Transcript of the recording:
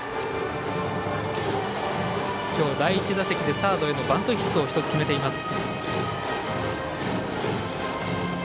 今日第１打席でサードへのバントヒットを１つ決めています。